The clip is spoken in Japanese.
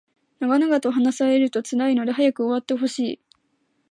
長々と話されると辛いので早く終わってほしい